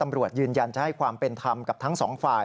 ยืนยันจะให้ความเป็นธรรมกับทั้งสองฝ่าย